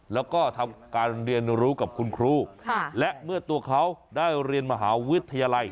แล้วก็ทำการเรียนรู้กับคุณครูและเมื่อตัวเขาได้เรียนมหาวิทยาลัย